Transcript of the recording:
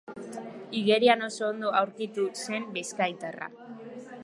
Igerian oso ondo aurkitu zen bizkaitarra.